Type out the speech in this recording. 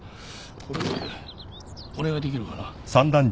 これお願いできるかな。